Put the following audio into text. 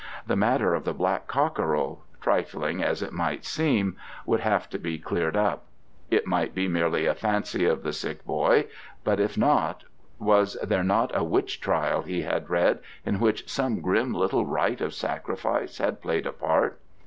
That matter of the black cockerel trifling as it might seem would have to be cleared up. It might be merely a fancy of the sick boy, but if not, was there not a witch trial he had read, in which some grim little rite of sacrifice had played a part?